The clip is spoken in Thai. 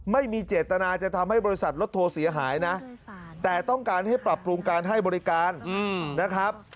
ไม่มีเจตนาจะทำให้บริษัทรถทัวร์เสียหายนะแต่ต้องการให้ปรับปรุงการให้บริการนะครับ